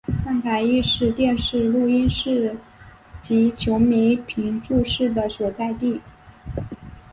看台亦是电视录影室及球赛评述室的所在地。